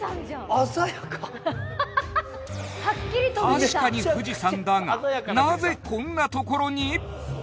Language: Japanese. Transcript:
確かに富士山だがなぜこんなところに？